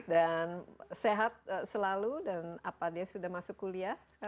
dan sehat selalu dan apa dia sudah masuk kuliah sekarang